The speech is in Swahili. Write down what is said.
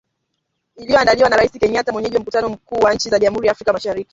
Iliyoandaliwa na Rais Kenyatta mwenyeji wa mkutano wa wakuu wa nchi za Jamhuri ya Afrika Mashariki.